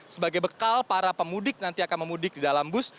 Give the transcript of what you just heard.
sebagai bekal para pemudik nanti akan memudik di dalam bus